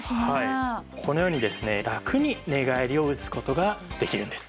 このようにですねラクに寝返りを打つ事ができるんです。